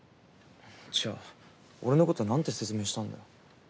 じゃあ俺のことなんて説明したんだよ。